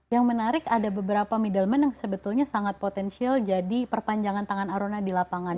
yang menarik ada beberapa middleman yang sebetulnya sangat potensial jadi perpanjangan tangan aruna di lapangan